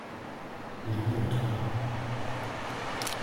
Les nôtres.